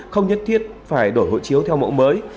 không nhất thiết phải đổi hộ chiếu theo mẫu mới